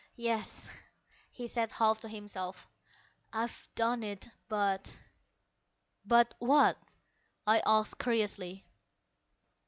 "Yes," he said half to himself, "I've done it. But...." "But what?" I asked curiously.